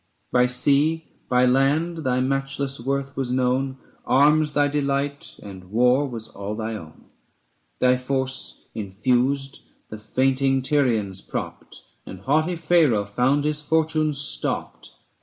By sea, by land, thy matchless worth was known, 840 Arms thy delight, and war was all thy own: Thy force infused the fainting Tyrians propped, And haughty Pharaoh found his fortune stopped.